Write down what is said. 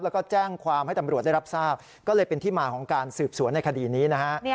แล้วก็แจ้งความให้ตำรวจได้รับทราบก็เลยเป็นที่มาของการสืบสวนในคดีนี้นะฮะ